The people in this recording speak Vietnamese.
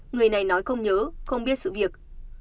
người này nói không nhớ không biết sự việc